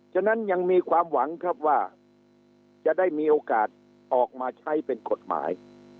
ฉะนั้นยังมีความหวังครับว่าจะได้มีโอกาสออกมาใช้เป็นกฎหมาย